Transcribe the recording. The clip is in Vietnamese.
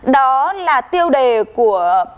đó là tiêu đề của